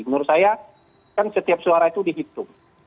menurut saya kan setiap suara itu dihitung